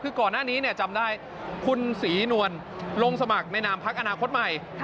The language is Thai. คือก่อนหน้านี้จำได้คุณศรีนวลลงสมัครในนามพักอนาคตใหม่